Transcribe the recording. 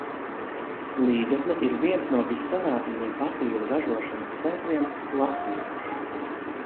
Līgatne ir viens no vissenākajiem papīra ražošanas centriem Latvijā.